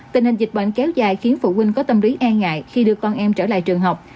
tình hình dịch bệnh kéo dài khiến phụ huynh có tâm lý e ngại khi đưa con em trở lại trường học